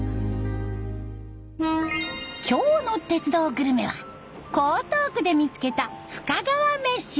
今日の「鉄道グルメ」は江東区で見つけた深川めし。